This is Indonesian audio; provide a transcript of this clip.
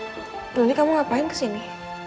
beruni kamu ngapain kesini